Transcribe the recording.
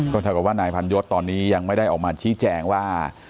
เท่ากับว่านายพันยศตอนนี้ยังไม่ได้ออกมาชี้แจงว่า